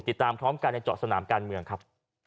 ติดตามพร้อมกันในเจาะสนามการเมืองครับ